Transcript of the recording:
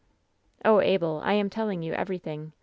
"Oh, Abel, I am telling you everything!